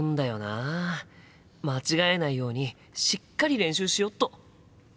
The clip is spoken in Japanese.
間違えないようにしっかり練習しよっと。